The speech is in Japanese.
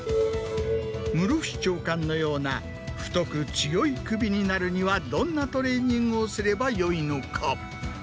室伏長官のような太く強い首になるにはどんなトレーニングをすればよいのか？